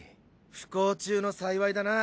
不幸中の幸いだな。